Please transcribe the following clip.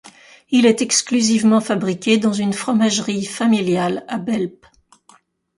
Il est exclusivement fabriqué dans une fromagerie familiale à Belp.